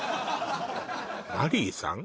マリーさん？